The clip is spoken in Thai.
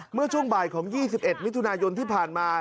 เมื่อช่วงบ่ายของ๒๑มิถุนายนที่ผ่านมา